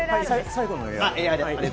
最後のエア。